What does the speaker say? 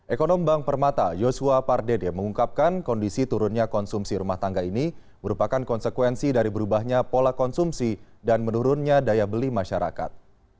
ekonom bank permata yosua pardede mengungkapkan kondisi turunnya konsumsi rumah tangga ini merupakan konsekuensi dari berubahnya pola konsumsi dan menurunnya daya beli masyarakat